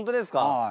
はい。